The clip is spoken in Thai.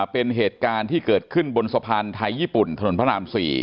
เป็นเหตุการณ์ที่เกิดขึ้นบนสะพานไทยญี่ปุ่นถนนพระราม๔